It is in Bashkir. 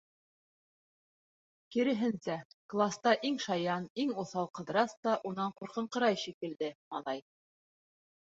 Киреһенсә, класта иң шаян, иң уҫал Ҡыҙырас та унан ҡур-ҡыңҡырай шикелле, малай.